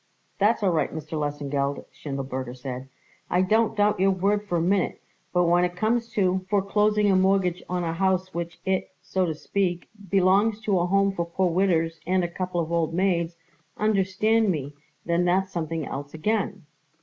"That's all right, Mr. Lesengeld," Schindelberger said. "I don't doubt your word for a minute, but when it comes to foreclosing a mortgage on a house which it, so to speak, belongs to a home for poor widders and a couple of old maids, understand me, then that's something else again."